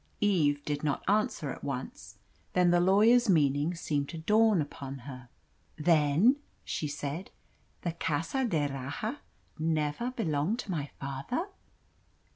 Eve did not answer at once. Then the lawyer's meaning seemed to dawn upon her. "Then," she said, "the Casa d'Erraha never belonged to my father?"